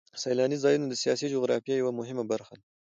سیلاني ځایونه د سیاسي جغرافیه یوه مهمه برخه ده.